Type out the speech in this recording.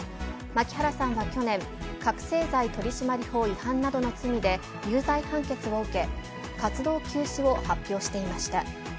槇原さんは去年、覚醒剤取締法違反などの罪で有罪判決を受け、活動休止を発表していました。